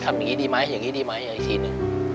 อย่างนี้ดีไหมอย่างนี้ดีไหมอีกทีหนึ่ง